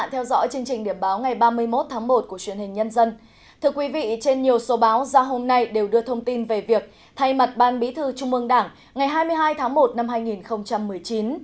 hãy đăng ký kênh để ủng hộ kênh của chúng mình nhé